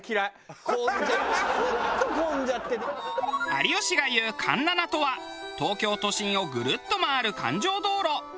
有吉が言う環七とは東京都心をグルッと回る環状道路。